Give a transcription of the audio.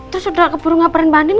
terus udah keburu ngaparin mbak andin